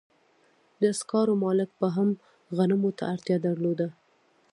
د سکارو مالک به هم غنمو ته اړتیا درلوده